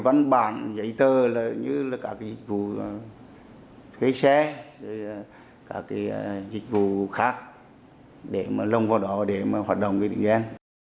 văn bản giấy tờ như là các dịch vụ thuê xe các dịch vụ khác để mà lông vào đó để mà hoạt động với tỉnh đen